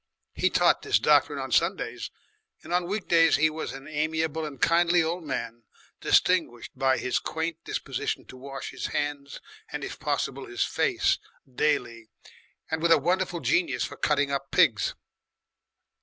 He taught this doctrine on Sundays, and on weekdays he was an amiable and kindly old man, distinguished by his quaint disposition to wash his hands, and if possible his face, daily, and with a wonderful genius for cutting up pigs.